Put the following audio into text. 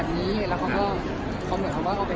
พี่เอาหลักฐานอะไรคะ